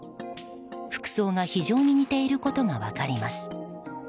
服装が非常に似ていることが分かります。